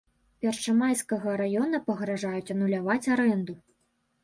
Першамайскага раёна пагражаюць ануляваць арэнду.